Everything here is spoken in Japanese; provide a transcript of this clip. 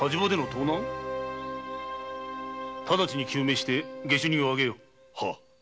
直ちに究明して下手人をあげよ。